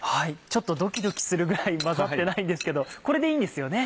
ちょっとドキドキするぐらい混ざってないんですけどこれでいいんですよね？